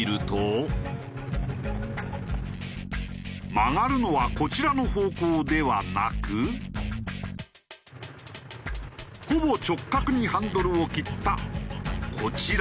曲がるのはこちらの方向ではなくほぼ直角にハンドルを切ったこちら。